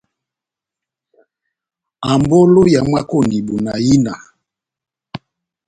Ambolo ya mwákoni bona ina!